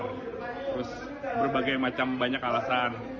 terus berbagai macam banyak alasan